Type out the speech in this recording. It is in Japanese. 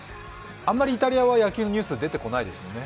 あんまりイタリアは野球のニュース出てこないですよね。